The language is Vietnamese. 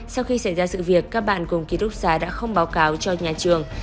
sau khi xảy ra sự việc các bạn cùng ký túc xá đã không báo cáo cho nhà trường